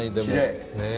ねえ。